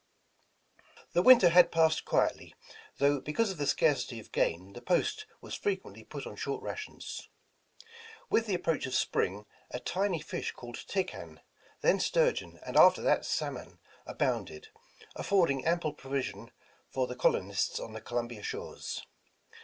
THE winter had passed quietly, though because of the scarcity of game the post was frequently put on short rations. With the approach of spring, a tiny fish called tecan, then sturgeon, and after that salmon, abounded, affording ample provision for the colonists on the Columbia shores.